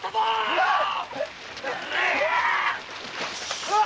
うわぁっ‼